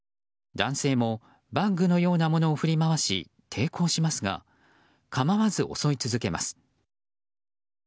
男性もバッグのようなものを振り回し抵抗しますが構わず襲い続けます。